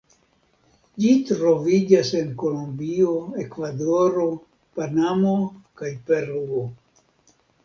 Ĝi troviĝas en Kolombio, Ekvadoro, Panamo, kaj Peruo.